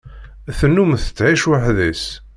Tennum tettɛic weḥd-s.